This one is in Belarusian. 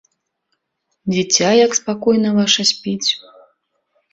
Дзіця як спакойна ваша спіць.